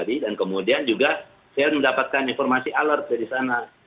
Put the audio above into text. dan kemudian juga saya mendapatkan informasi alert dari sana